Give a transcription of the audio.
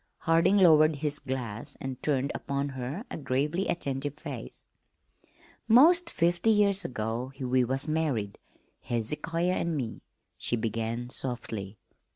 Harding lowered his glass and turned upon her a gravely attentive face. "'Most fifty years ago we was married, Hezekiah an' me," she began softly.